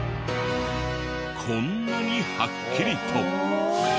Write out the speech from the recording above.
こんなにはっきりと。